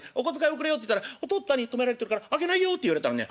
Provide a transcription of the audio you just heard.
おくれよって言ったらお父っつぁんに止められてるからあげないよって言われたらね